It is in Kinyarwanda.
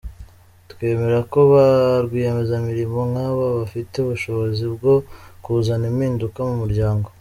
Twemera ko ba rwiyemezamirimo nk’aba bafite ubushobozi bwo kuzana impinduka mu muryango.